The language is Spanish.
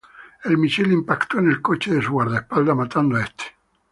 El misil impactó en el coche de su guardaespaldas, matando a este.